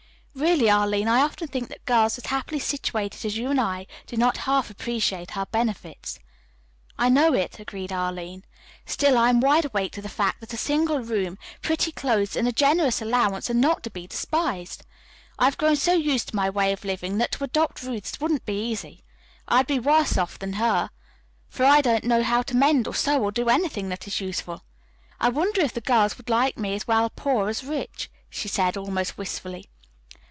Really, Arline, I often think that girls as happily situated as you and I do not half appreciate our benefits." "I know it," agreed Arline. "Still, I am wide awake to the fact that a single room, pretty clothes and a generous allowance are not to be despised. I have grown so used to my way of living that to adopt Ruth's wouldn't be easy. I'd be worse off than she, for I don't know how to mend or sew or do anything else that is useful. I wonder if the girls would like me as well poor as rich," she said almost wistfully.